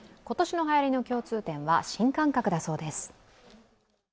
今年のはやりの共通点は新感覚だそうです。